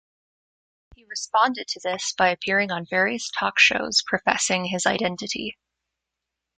He responded to this by appearing on various talk shows, professing his identity.